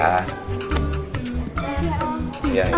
terima kasih om